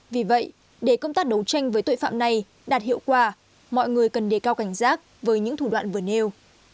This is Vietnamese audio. vì vậy để công tác đấu tranh với tội phạm này đạt hiệu quả mọi người cần đề cao cảnh giác với những thủ đoạn vừa nêu